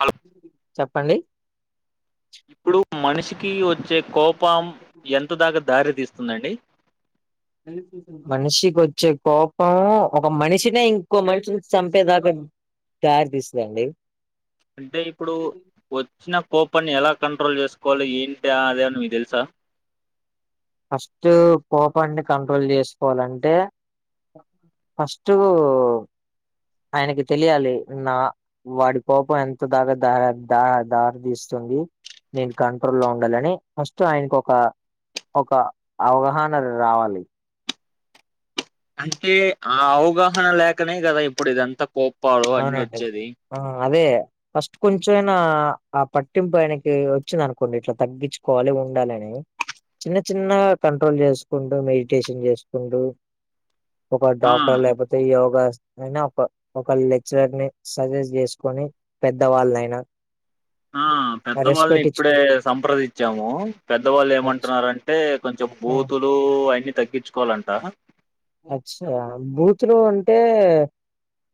Hello చెప్పండి ఇప్పుడు మనిషికి వచ్చే కోపం ఎంత దాకా దారి తీస్తుందండి [unintelligible] మనిషికొచ్చే కోపం ఒక మనిషినే ఇంకో మనిషిని చంపేదాకా దారి తీస్తదండి అంటే ఇప్పుడు వచ్చిన కోపాన్ని ఎలా కంట్రోల్ చేసుకోవాలి ఏంటా అదేమన్నా మీకు తెలుసా ఫస్ట్ కోపాన్ని కంట్రోల్ చేసుకోవాలంటే ఫస్ట్ ఆయనకి తెలియాలి నా వాడి కోపం ఎంత బాగా ద ద దారి తీస్తుంది నేను కంట్రోల్ లో ఉండాలని ఫస్ట్ ఆయనకు ఒక ఒక అవగాహన రావాలి అంటే ఆ అవగాహన లేకనే కదా ఇప్పుడు ఇదంతా కోప అవునండి ఆ అదే ఫస్ట్ కొంచెమైనా ఆ పట్టింపు ఆయనకి వచ్చిందనుకోండి ఇట్లా తగ్గించుకోవాలి ఉండాలని చిన్న చిన్న కంట్రోల్ చేసుకుంటూ మెడిటేషన్ చేసుకుంటూ ఒక ఆ డాక్టర్ లేకపోతే యోగా అయినా ఒక ఒకలె ర్ని సజెస్ట్ చేసుకొని పెద్దవాళ్ళైనా ఆ పెద్దవాళ్ళని ఇప్పుడే ఇచ్చుకో సంప్రదించాము పెద్దవాళ్ళు అచ్చ ఏమంటున్నారంటే కొంచెం బూతులు అన్ని తగ్గించుకోవాలంట అచ్చా బూతులు అంటే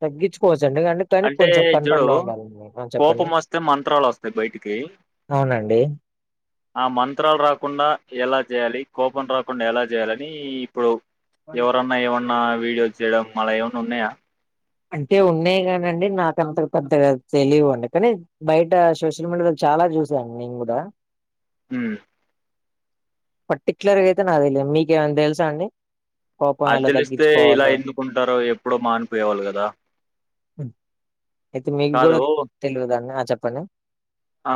తగ్గించుకోవచ్చండి అంటె కానీ అంటే కొంచెం కంట్రోల్ చూడు లో ఉండాలండి చెప్పండి కోపం వస్తే మంత్రాలు వస్తాయి బయటికి అవునండి ఆ మంత్రాలు రాకుండా ఎలా చేయాలి కోపం రాకుండా ఎలా చేయాలని ఇప్పుడు ఎవరన్నా ఏమన్నా వీడియోస్ చేయడం అలా ఏమన్నా ఉన్నాయా అంటే ఉన్నాయి కానండి నాకంత పెద్ద తెలివండి కానీ బయట సోషల్ మీడియాలో చాలా చూసాను నేను కూడా మ్ పర్టిక్యులర్గా అయితే నాకు తెలీదు మీకేమన్నా తెలుసా అండి కోపం అది ఎలా తెలిస్తే ఇలా తగ్గించుకోవాలో ఎందుకుంటారో ఎప్పుడో మానుపోయెవాళ్ళు కదా అయితే మీకు కాదు కూడా తెలివదన్ని ఆ చెప్పండి ఆ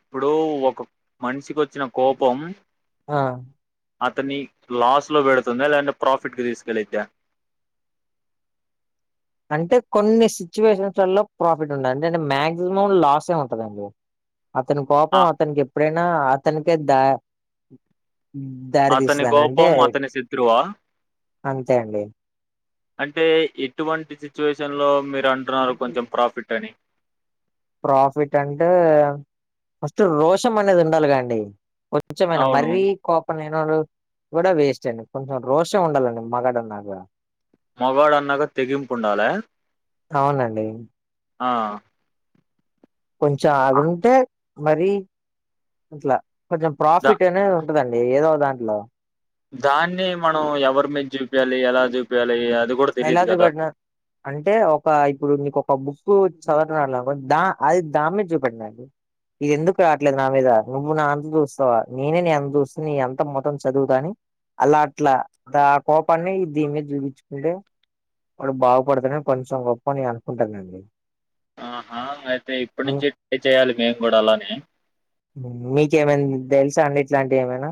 ఇప్పుడు ఒక మనిషికొచ్చిన కోపం ఆ అతని లాస్ లో పెడుతుందా లేదంటే ప్రాఫిట్ కి తీసుకెళ్లిద్ద అంటే కొన్ని సిచ్యువేషన్స్లలో ప్రాఫిట్ ఉంట దండి అంటే అంటే మ్యాక్సిమం లాసే ఉంటందండి అతని ఆ కోపం అతనికి ఎప్పుడైనా అతనికే ద అతని కోపం అతని శత్రువా అంతే అండి. అంటే ఎటువంటి సిచ్యువేషన్ లో మీరు అంటున్నారు కొంచెం ప్రాఫిట్ అని ప్రాఫిట్ అంటే ఫస్ట్ రోషం అనేది ఉండాలి కదండి కొంచెంనేనా అవును మరీ కోపం లేనోడు కూడా వేస్ట్ అండి కొంచెం రోషం ఉండాలండి మగాఢన్నాక మగాడన్నాక తెగింపు ఉండాలి అవునండి. ఆ కొంచెం ఆగుంటే మరి అట్లా కొంచెం ద ప్రాఫిట్ అనే ఉంటదండి ఏదో దాంట్లో దాన్ని మనం ఎవరి మీద చూపియాలి ఎలా చూపియాలి అది గూడా తెలీదు అయిలేజుకి గదా! కొట్టిన అంటే ఒక ఇప్పుడు నీకు ఒక బుక్ చదవరాట్లేదనుకో దా అది దానిమీద చూపేట్టాలండి ఇది ఎందుకు రావట్లేదు నా మీద నువ్వు నా అంత చూస్తావా నేనే నీ అంత చూస్తు నీ అంత మొత్తం చదువుతాని అలా అట్లా ఆ కోపాన్ని దిన్ మెద్ చూపించు అంటే వాడు బాగుపడతానని కొంచెం గొప్పని అనుకుంటానండి ఆహా అయితే ఇప్పటి ఉమ్, నుంచి ట్రై చేయాలి మేము కూడా అలానె మీకేమైనా తెలుసా అండి ఇట్లాంటివి ఏమైనా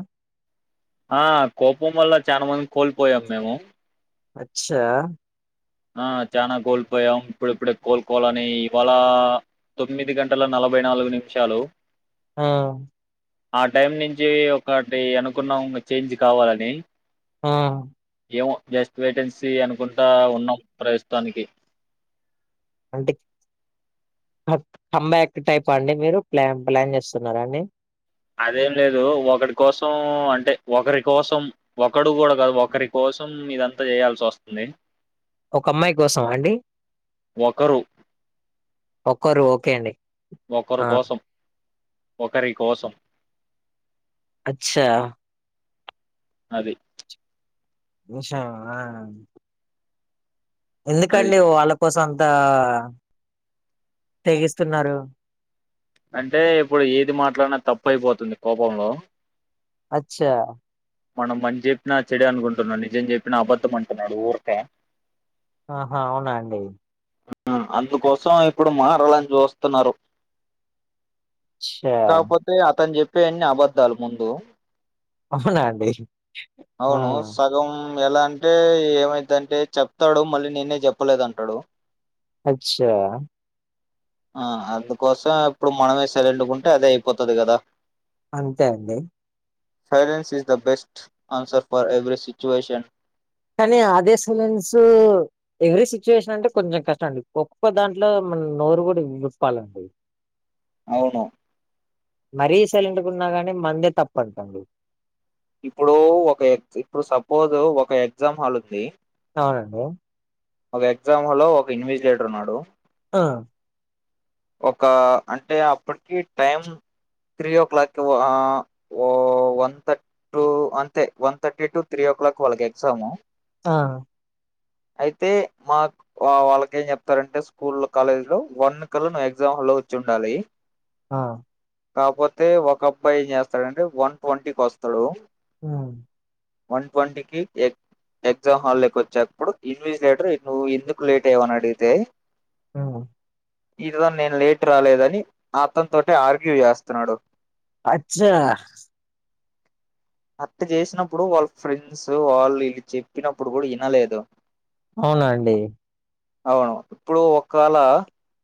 ఆ కోపం వల్ల చాలా మంది కోల్పోయాం మేము అచ్చా ఆ చానా కోల్పోయాం ఇప్పుడ ఇప్పుడే కోలుకోవాలని ఇవాళా తొమ్మిది గంటల నలభై నాలుగు నిమిషాలు ఆ ఆ టైం నుంచి ఒకటి అనుకున్నాం చేంజ్ కావాలని ఆ ఏమో జస్ట్ వైట్ అండ్ సి అనుకుంటా ఉన్నాం ప్రస్తుతానికి అంటే కామ్ బ్యాక్ టైప్ హ అండి మీరు ప్లాన్ ప్లాన్ చేస్తున్నారా అండి అది లేదు ఒకడి కోసం అంటే ఒకరి కోసం ఒకడు కూడా కాదు ఒకరి కోసం ఇదంతా చేయాల్సి వస్తుంది ఒక అమ్మాయి కోసమాండి ఒకరు ఒక్కరు ఓకే అండి ఒకరు ఆ కోసం ఒకరి కోసం అచ్చా అది దోషా ఆ అది ఎందుకండి వాళ్ళ కోసం అంతా తెేగిస్తున్నారు అంటే ఇప్పుడు ఏది మాట్లాడినా తప్పు అయిపోతుంది కోపంలో అచ్చా మనం మంచి చెప్పినా చెడు అనుకుంటున్నా నిజం చెప్పినా అబద్ధం అంటున్నాడు ఊరికే ఆహా అవునా అండి అందుకోసం ఇప్పుడు మారాలని చూస్తున్నారు అచ్చా కాపోతే అతను చెప్పే అన్ని అబద్ధాలు ముందు అవునా అండి ఆ అవును సగం ఎలా అంటే ఏమైద్దంటే చెప్తాడు మళ్ళీ నేనే చెప్పలేదంటాడు అచ్చా ఆ అందుకోసం అప్పుడు మనమే సైలెంట్ గుంటే అదే అయిపోతది కదా అంతే అండి silence is the best answer for every situation కానీ అదే సైలెన్సు ఎవ్రీ సిచ్యువేషన్ అంటే కొంచెం కష్టం అండి గొప్ప దాంట్లో మనం నోరు కూడా విప్పాలండి అవును మరీ సలైంట్ గున్నా గానీ మందే తప్పం టండి ఇప్పుడు ఒక ఎ ఇప్పుడు సపోజ్ ఒక ఎగ్జామ్ హాల్ ఉంది అవునండి ఒక ఎగ్జామ్ హలో ఒక ఇన్విజలేటర్ ఉన్నాడు ఆ ఒక అంటే అప్పటికి టైం త్రీ ఓ క్లాక్ ఆ ఓ వన్ తట్ టూ అంతే one thirty to three o'clock వాళ్ళకి ఎగ్జాము ఆ అయితే మాక్ వా వాళ్ళకి ఏం చెప్తారంటే స్కూల్ కాలేజీలో వన్ క్క లో ను్వ్ ఎగ్జామ్ హల్లో వచ్చి ఉండాలి ఆ కాకపోతే ఒక అబ్బాయి ఏం చేస్తాడుంటే వన్ ట్వంటీకొస్తాడు ఊ వన్ ట్వంటీకిి ఎగ్ ఎగ్జామ్ హాల్లో కి వచ్చేప్పుడు ఇన్విజలేటర్ నువ్వు ఎందుకు లేట్ అయ్యావని అడిగితే మ్ ఇతను నేను లేట్ రాలేదని అతన్తోటె ఆర్గ్యూ చేస్తున్నాడు అచ్చా అట్ట చేసినప్పుడు వాళ్ళ ఫ్రెండ్స్ వాళ్ళు విళ్ళు చెప్పినప్పుడు కూడా ఇనలేదు అవునా అండి అవును ఇప్పుడు ఒకాల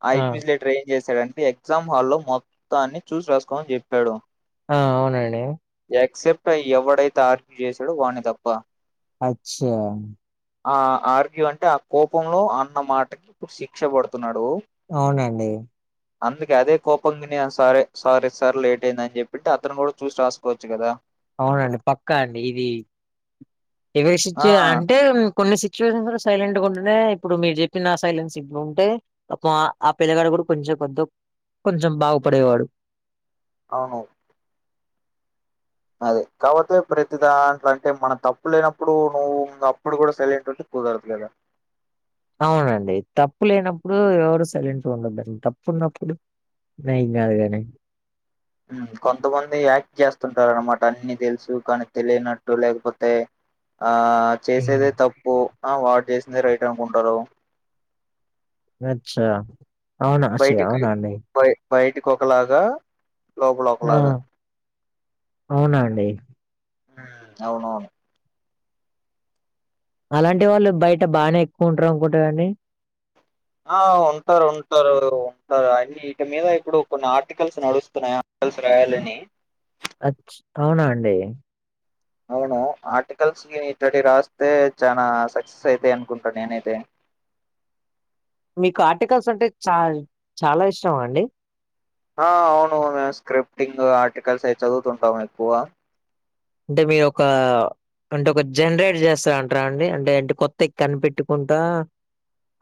ఆ ఇన్విజిలేటర్ ట్రైన్ చేశాడుంటే ఎగ్జామ్ హాలో మొత్తాన్ని చూసి రాసుకోమని చెప్పాడు ఆ అవునండి యాక్సెప్ట్ ఎవడైతే ఆర్గ్యూ చేశాడో వాణ్ణి తప్ప అచ్చా ఆ ఆర్గ్యూఅంటే ఆ కోపంలో అన్న మాటకి ఇప్పుడు శిక్ష పడుతున్నాడు అవునండి అందుకే అదే కోపం విని సారే సారీ సార్ లేట్ అయింది అని చెప్పింటె అతను కూడా చూసి రాసుకోవచ్చు కదా అవునండి పక్కా అండి ఇది ఎవరి సిచ్చ ఆ అంటే కొన్ని సిచ్యువేషన్స్ లో సైలెంట్గా ఉంటునె ఇప్పుడు మీరు చెప్పిన నా సైలెన్స్ ఇప్పుడు ఉంటే అబ్బా ఆ పిల్లగాడు కూడా కొంచెం కొద్దొ కొంచెం బాగుపడేవాడు అవును అదే కాకపోతే ప్రతి దాంట్లో అంటే మనం తప్పు లేనప్పుడు నువ్వు అప్పుడు కూడా సైలెంట్ ఉంటే కుదరదు కదా అవునండి తప్పు లేనప్పుడు ఎవరు సైలెంట్గా ఉండదండి తప్పు ఉన్నప్పుడు ఏం కాదు గని ఉమ్మ్ కొంతమంది యాక్ట్ చేస్తుంటారు అనమాట అన్ని తెలుసు కానీ తెలియనట్టు లేకపోతే ఆ హ్మ్ చేసేదే తప్పు ఆ వాడు చేసిందే రైట్ అనుకుంటారు అచ్చా అవునాసే అవునాండీ బై బయటికి ఒకలాగా లోపల ఆ ఒకలాగ అవునా అండి ఉహ్మ్ అవునవును అలాంటి వాళ్ళు బయట బాగానే ఎక్కువ ఉంటారు అనుకుంట కదండీ ఆ ఉంటారు ఉంటారు ఉంటారు అన్ని ఇటి మీద ఇప్పుడు కొన్ని ఆర్టికల్స్ నడుస్తున్నాయా ల్స్ రాయాలని అచ్ అవునా అండి అవును ఆర్టికల్స్‌కి ఇట్టంటియి రాస్తే చానా సక్సెస్ అయితాయి అనుకుంటాను నేనైతే మీకు ఆర్టికల్స్ అంటే చల్ చాలా ఇష్టమా అండి ఆ అవునవును స్క్రిప్టింగ్ ఆర్టికల్స్ అయి చదువుతుంటాము ఎక్కువ అంటే మీరొక అంటే ఒక జనరేట్ చేస్తా అంటారాండి అంటే అంటే కొత్తయి కనిపెట్టుకుంటా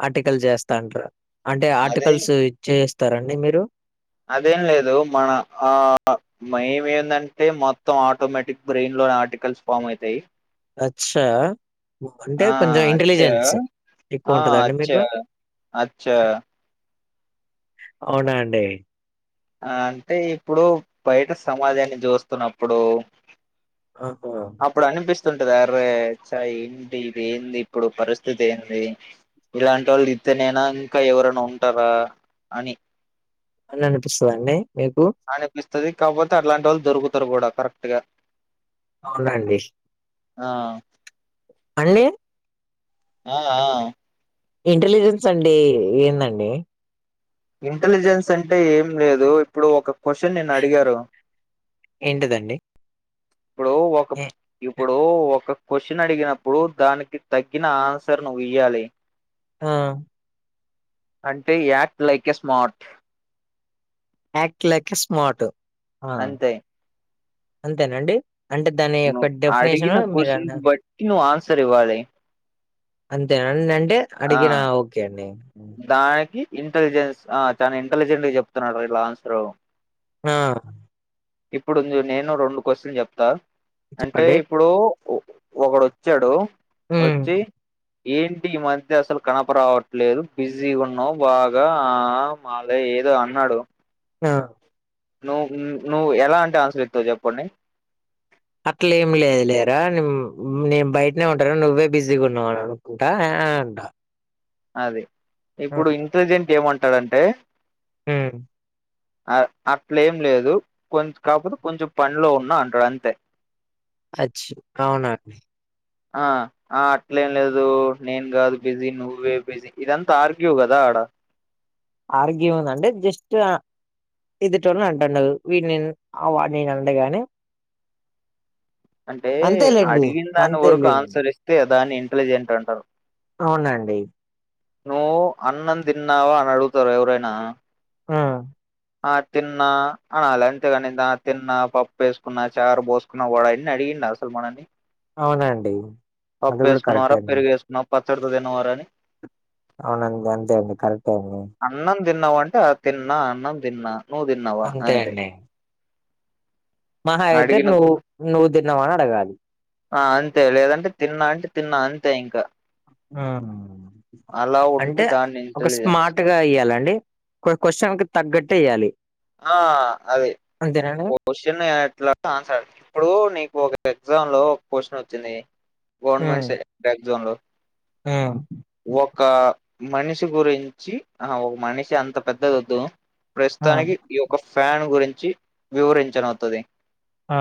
ఆర్టికల్ చేస్తాంటరా అంటే అదే ఆర్టికల్స్ ఇది చేస్తారండి మీరు అదేం లేదు మన ఆ మైమ్ ఏందంటే మొత్తం ఆటోమేటిక్ బ్రెయిన్‌లో ఆర్టికల్స్ ఫామ్ అయితాయి అచ్చా అంటే ఆ కొంచెం అచ్చా ఇంటెలిజెన్స్ ఎక్కువ ఆ ఉంటదండి అచ్చా మీకు అచ్చా అవునా అండి అంటే ఇప్పుడు బయట సమాజాన్ని చూస్తున్నప్పుడు ఆహా అప్పుడు అనిపిస్తుంటది ఆరే చ ఏంటి ఇది ఏంది ఇప్పుడు పరిస్థితి ఏంది ఇలాంటి వాళ్ళు దిత్తెనెనా ఇంకా ఎవరన్నా ఉంటారా అని అని అనిపిస్తాందాండి మీకు అనిపిస్తాది కాకపోతే అట్లాంటి వాళ్ళు దొరుకుతారు కూడా కరెక్ట్ గా అవునండి ఆ అళ్లీ అ ఆ ఇంటెలిజెంట్స్ అంటే ఏందండి ఇంటెలిజెన్స్ అంటే ఏం లేదు ఇప్పుడు ఒక క్వశ్చన్ నిన్ను అడిగారు ఏంటిదండి ఇప్పుడు ఒక ఎ ఇ ఇప్పుడు ఒక క్వశ్చన్ అడిగినప్పుడు దానికి తగ్గిన ఆన్సర్ నువ్వు ఇయ్యాలి ఆహ్ అంటే act like a smart act like a smart ఆ అంతే అంతేనండి అంటే దాని యొక్క నువ్వు డెఫినేషను అడిగిన మీరు క్వశ్చన్ అన్నా బట్టి నువ్వు ఆన్సర్ ఇవ్వాలి అంతేనండి అంటే ఆ అడిగినా ఓకే అండి దానికి ఇంటెలిజెన్స్ ఆ తను ఇంటెలిజెంట్‌గా చెప్తున్నాడు రా ఇలా ఆన్సర్ ఆ ఇప్పుడు ఉంది చూడు నేను రెండు క్వశ్చన్ చెప్తా అంటే చెప్పండి ఇప్పుడు ఒకడోచ్చాడు ఉమ్ వచ్చి ఏంటి ఈ మధ్య అసలు కనప రావట్లేరు బిజీగున్నావ్ బాగా ఆ మాలె ఏదో అన్నాడు ఆ నువ్ నువ్ ఎలాంటి ఆన్సర్ ఇస్తావ్ చెప్పండి అట్లే ఏం లేదు లేరా నె నేన్ బయట్నే ఉంట కదా నువ్వే బిజీగా ఉన్నావు అనుకుంటా అంటా అది ఇప్పుడు ఇంటలిజెంట్ ఏమంటాదమ్ టే హ్మ్ అ అట్ల ఏం లేదు కొం కాపోతే కొంచెం పన్లో ఉన్నా అంటాడంతే అచ్చ అవునాండి ఆ ఆ అట్లేం లేదు నేన్ కాదు బిజీ నువ్వే బిజీ ఇదంతా ఆర్గ్యూ కదా ఆడ అర్గ్యు అనంటే జస్ట్ ఆ ఎదుటోలీన్ అంటుండ వీని ఆ వాడ్నీ అండగానీ అంటే అడిగిన్ దాని వరకు అంతేలేండి ఆన్సర్ ఇస్తే దాన్ని ఇంటలిజెంట్ అంటారు అవునా అండీ నువ్వు అన్నం తిన్నావా అని అడుగుతారు ఎవరైనా ఆహ్ ఆ తిన్నా అనాలె అంతేగాని త తిన్నా పప్పు వేసుకున్నా చారు పోసు న వాడు అన్ని అడిగిండ అసలు మనని అవునా అండి అది కూడా కరెక్టే అండి నం పచ్చడితో తిన్నవారేని అవునండి అంతే అండి కరక్ట్ ఏ అండి అన్నం తిన్నావ అంటే ఆ తిన్నా అన్నం తిన్నా నువ్వు తిన్నావా అంతే మహా అయితే అడిగిన నువ్వు నువ్వు తిన్నావ అని అడగాలి ఆ అంతే లేదంటే తిన్నా అంటే తిన్నా అంతే ఇంకా హ్మ్ అలా ఉంటే అంటే దాన్ని ఒక ఇంటెలిజెన్స్ స్మార్ట్గా ఇయ్యాలండి కో క్వశ్చన్కి తగ్గట్టేయాలి అ అది ఓ క్వశ్చన్ ఎట్లా ఆన్సర్ అట్లా ఇప్పుడు నీకు ఒక ఎగ్జామ్ లో ఒక క్వశ్చన్ వచ్చింది గవర్నమెంట్ సె ఎక్సమ్ లో ఆ ఒక మనిషి గురించి ఆహా ఒక మనిషి అంత పెద్దదొద్దు ఆ ప్రస్తుతానికి ఈయొక్క ఫ్యాన్ గురించి వివరించనోత్తాది ఆ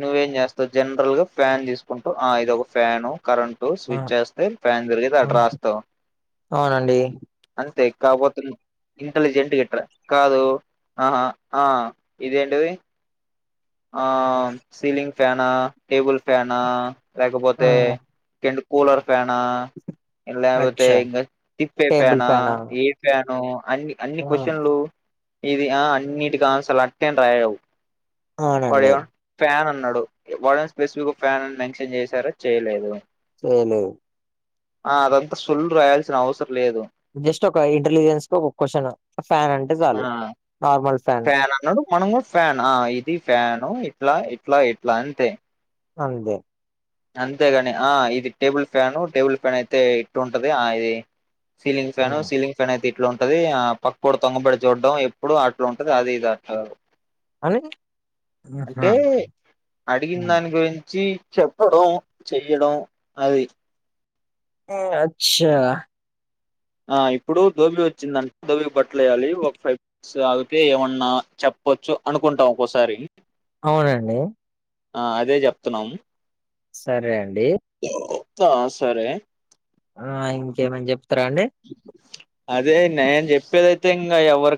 నువ్వేం చేస్తావ్ జనరల్ గా ఫ్యాన్ తీసుకుంటవ్ ఆ ఇద ఒక ఫ్యాను కరంటు ఆ స్విచ్ వేస్తే ఫ్యాన్ తిరిగితే ఆ దటరాస్తవు అవునండి అంతే కాపోతే న్ ఇంటలిజెంట్ ఇట్రా కాదు ఆహా ఆ ఇదేంటిది ఆ సీలింగ్ ఫ్యానా టేబుల్ ఫ్యానా ఆ లేకపోతే కింద కూలర్ ఫ్యాన్ ఆ లేపోతే అచ్చా ఇంక తిప్పే టేబుల్ ఫ్యాన్ ఆ ఫ్యానా ఏ ఫ్యానో అన్ని అన్ని ఆ! క్వ్చన్లు ఇది ఆ అన్నిటికి ఆన్సర్లు అట్టేం రాయవు వాడు అవునండి ఏం ఫ్యాన్ అన్నాడు వాడు స్పెసిఫిక్ గా ఓ ఫ్యాన్ అని మెన్షన్ చేశారా చేయలేదు చేయలేదు ఆ అదంతా సొల్లు రాయాల్సిన అవసరం లేదు జస్ట్ ఒక ఇంటెలిజెన్స్ క ఒక క్వశ్చన్ ఫ్యాన్ అంటే చాలు నార్మల్ ఫ్యాన్ అని అన్నాడు మనం కూడా ఫ్యాన్ ఆ ఇది ఫ్యాన్ ఇట్లా ఇట్లా ఇట్లా అంతే అంతే అంతేగాని ఆ ఇది టేబుల్ ఫ్యాను టేబుల్ ఫ్యాన్ అయితే ఇట్టు ఉంటది ఆ ఇది సీలింగ్ ఫ్యాన్ హ్మ్. సీలింగ్ ఇట్లనే తిట్లు ఉంటది ఆ పక్కోడు తొంగబడి చూడడం ఎప్పుడు అట్లా ఉంటది అది ఇది అట్టా అని ఆహా! అంటే అడిగిన హ్మ్. హ్మ్. దాని గురించి చెప్పడం చెయ్యడం అది అచ్చా ఆ ఇప్పుడు దోబీ వచ్చిందంటే దోబీకి బట్టలు వెయ్యాలి ఒక ఫైవ్ సో వాళ్ళకే ఏమన్నా చెప్పచ్చు అనుకుంటాం ఒక్కోసారి అవునండి ఆ అదే చెప్తున్నాము సరే అండి ఆ సరే ఆ ఇంకేమైన చెప్తారా అండి అదే నేను చెప్పేదైతే ఇంకా ఎవరు